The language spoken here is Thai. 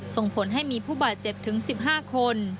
ส่งผลให้มีผู้บาดเจ็บถึง๑๕คน